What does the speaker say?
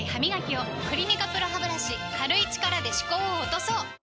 「クリニカＰＲＯハブラシ」軽い力で歯垢を落とそう！